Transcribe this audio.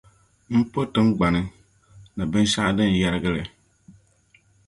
M po tiŋgbani, ni binshɛɣu din yɛrgi li.